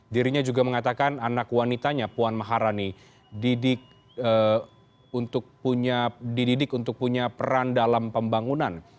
dirinya juga mengatakan anak wanitanya puan maharani dididik untuk punya peran dalam pembangunan